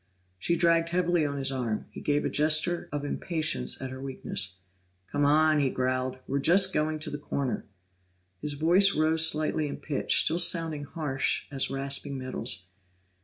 She dragged heavily on his arm; he gave a gesture of impatience at her weakness. "Come on!" he growled. "We're just going to the corner." His voice rose slightly in pitch, still sounding harsh as rasping metals.